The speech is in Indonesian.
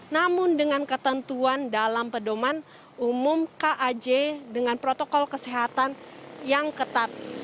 namun dengan ketentuan dalam pedoman umum kaj dengan protokol kesehatan yang ketat